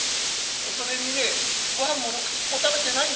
それにねごはんもろくすっぽ食べてないんじゃないか？